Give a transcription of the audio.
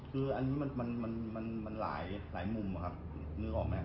คืออันนี้มันหลายมุมอะครับนึกออกไหม